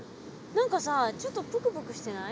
何かさちょっとプクプクしてない？